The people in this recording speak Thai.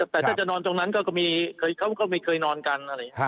แต่ถ้าจะนอนตรงนั้นก็มีเคยนอนกัน